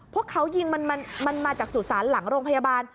พวกเขายิงมันมาจากสุสานหลังโรงพยาบาล